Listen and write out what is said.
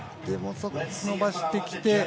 でも伸ばしてきて。